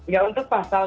ya untuk pasal